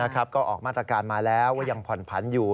ก็ออกมาตรการมาแล้วว่ายังผ่อนผันอยู่